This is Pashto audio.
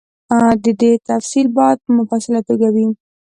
د دندې تفصیل باید په مفصله توګه وي.